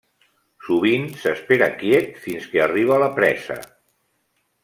Sovint, s'espera quiet fins que arriba la presa.